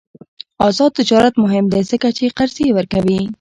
آزاد تجارت مهم دی ځکه چې قرضې ورکوي.